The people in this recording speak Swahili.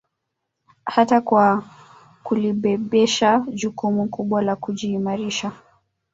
Hata kwa kulibebesha jukumu kubwa la kujiimarisha